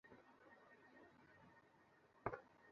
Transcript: শুনে ভয় পেও না, আমার আঁশওয়ালা বন্ধু।